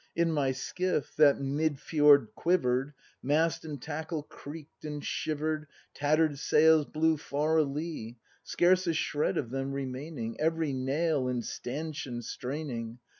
In my skiff, that mid fjord quiver'd. Mast and tackle creak'd and shiver'd, Tatter'd sails blew far a lee. Scarce a shred of them remaining. Every nail and stanchion straining!